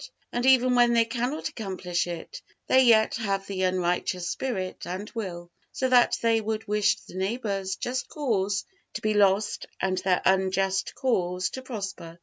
And even when they cannot accomplish it, they yet have the unrighteous spirit and will, so that they would wish the neighbor's just cause to be lost and their unjust cause to prosper.